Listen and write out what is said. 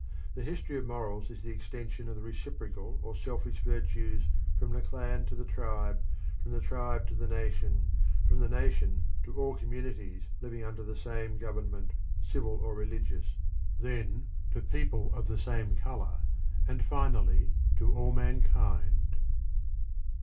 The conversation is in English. The history of morals is the extension of the reciprocal or selfish virtues from the clan to the tribe, from the tribe to the nation, from the nation to all communities living under the same government, civil or religious, then to people of the same colour, and finally to all mankind.